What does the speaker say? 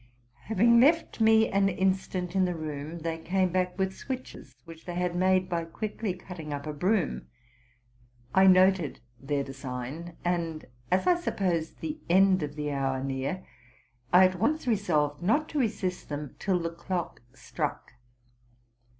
Having left me an instant in the room, they came back with switches, which they had made by quickly cutting up a broom. I noted their design ; and, as I supposed the end of the hour near, I at once resolved not to resist them till the clock struck.